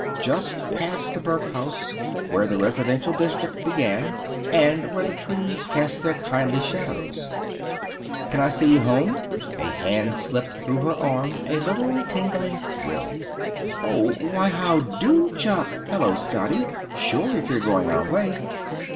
Just past the Burke House, where the residential district began, and where the trees cast their kindly shadows: "Can I see you home?" A hand slipped through her arm; a little tingling thrill. "Oh, why, how do, Chuck! Hello, Scotty. Sure, if you're going our way."